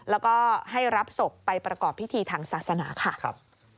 แล้วก็ให้รับศพไปประกอบพิธีทางศาสนาค่ะ